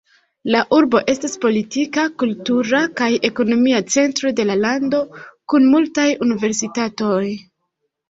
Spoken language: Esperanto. La urbo estas politika, kultura kaj ekonomia centro de la lando kun multaj universitatoj.